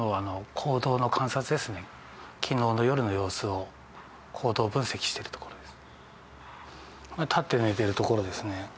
昨日の夜の様子を行動分析しているところです。